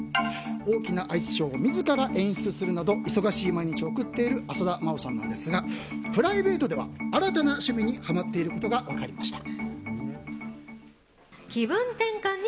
大きなアイスショーを自ら演出するなど忙しい毎日を送っている浅田真央さんなんですがプライベートでは新たな趣味にハマっていることが分かりました。